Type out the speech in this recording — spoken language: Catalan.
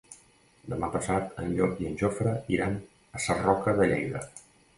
Demà passat en Llop i en Jofre iran a Sarroca de Lleida.